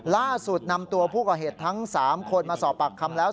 ล่าสุดนำตัวผู้ก่อเหตุทั้ง๓คนมาสอบปากคำแล้ว